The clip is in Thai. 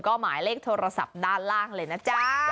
ก็หมายเลขโทรศัพท์ด้านล่างเลยนะจ๊ะ